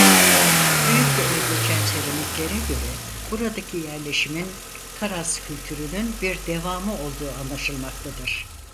Höyükte ele geçen seramiklere göre buradaki yerleşimin Karaz Kültürü'nün bir devamı olduğu anlaşılmaktadır.